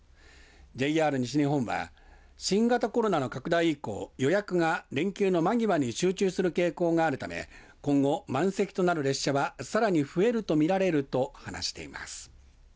ＪＲ西日本は新型コロナの拡大以降予約が連休の間際に集中する傾向があるため今後、満席となる列車はさらに増えると見られると話しています。